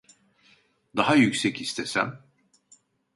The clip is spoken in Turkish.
Daha yüksek istesem